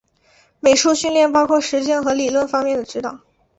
美术训练包括实践和理论方面的指导。